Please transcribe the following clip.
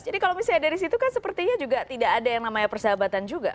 jadi kalau misalnya dari situ kan sepertinya juga tidak ada yang namanya persahabatan juga